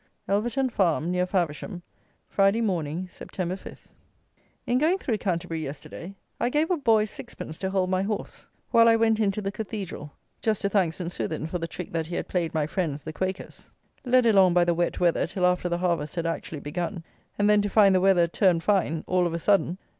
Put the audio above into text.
Elverton Farm, near Faversham, Friday Morning, Sept. 5. In going through Canterbury, yesterday, I gave a boy six pence to hold my horse, while I went into the Cathedral, just to thank St. Swithin for the trick that he had played my friends, the Quakers. Led along by the wet weather till after the harvest had actually begun, and then to find the weather turn fine, all of a sudden!